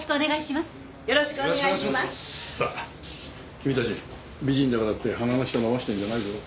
君たち美人だからって鼻の下伸ばしてるんじゃないぞ。